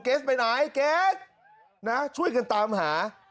ไปไหนเกสนะช่วยกันตามหา